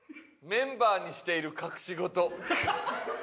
「メンバーにしている隠し事」